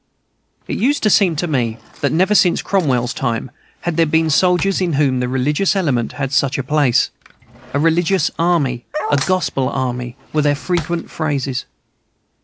It used to seem to me that never, since Cromwell's time, had there been soldiers in whom the religious element held such a place. "A religious army," "a gospel army," were their frequent phrases.